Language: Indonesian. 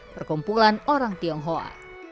perkumpulan orang tionghoa